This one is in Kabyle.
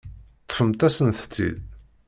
Ṭṭfemt-asent-tt-id.